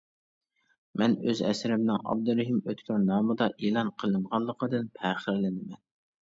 مەن ئۆز ئەسىرىمنىڭ ئابدۇرېھىم ئۆتكۈر نامىدا ئېلان قىلىنغانلىقىدىن پەخىرلىنىمەن.